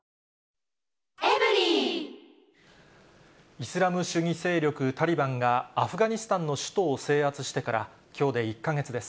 イスラム主義勢力タリバンが、アフガニスタンの首都を制圧してからきょうで１か月です。